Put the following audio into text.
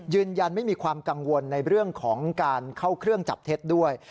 ยืนยันไม่มีความกังวลในเรื่องของการเข้าเครื่องจับเท็จด้วย